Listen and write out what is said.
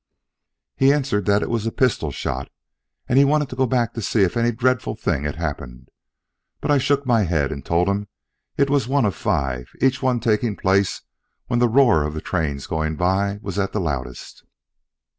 He answered that it was a pistol shot, and he wanted to go back to see if any dreadful thing had happened. But I shook my head and told him it was one of five, each one taking place when the roar of the trains going by was at the loudest.